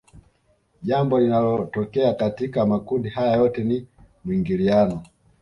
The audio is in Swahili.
Jambo linalotokea katika makundi haya yote ni mwingiliano